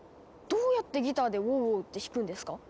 どうやってギターで「ウォウウォウ」って弾くんですか？